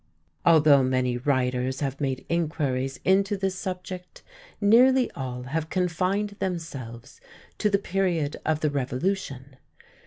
Although many writers have made inquiries into this subject, nearly all have confined themselves to the period of the Revolution.